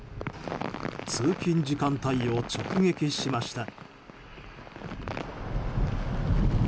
通勤時間帯を直撃しました。